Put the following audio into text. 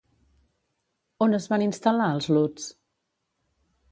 On es van instal·lar els Lutz?